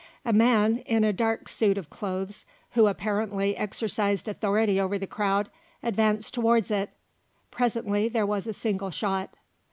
A man in a dark suit of clothes, and who apparently exercised authority over the crowd, advanced towards it. Presently there was a single shot.